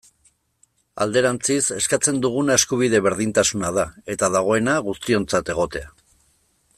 Alderantziz, eskatzen duguna eskubide berdintasuna da, eta dagoena, guztiontzat egotea.